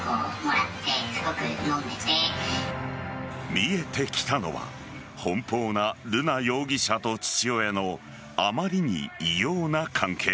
見えてきたのは奔放な瑠奈容疑者と父親のあまりに異様な関係。